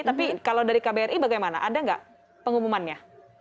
tapi kalau dari kbri bagaimana ada nggak pengumumannya